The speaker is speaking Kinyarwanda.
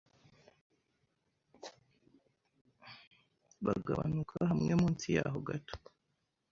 bagabanuka hamwe Munsi yahoo gato